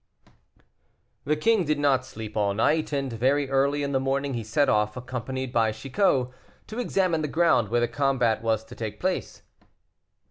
The king did not sleep all night, and very early in the morning he set off, accompanied by Chicot, to examine the ground where the combat was to take place.